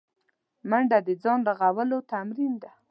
منډه د ځان رغولو تمرین دی